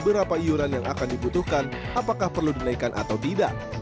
berapa iuran yang akan dibutuhkan apakah perlu dinaikkan atau tidak